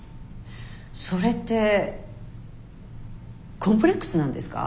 それってコンプレックスなんですか？